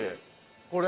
これ？